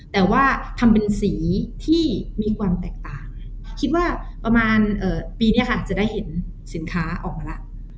แต่ว่าทำเป็นสีที่มีความแตกต่างคิดว่าประมาณปีนี้ค่ะจะได้เห็นสินค้าออกมาแล้ว